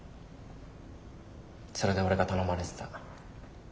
それで俺が頼まれてた。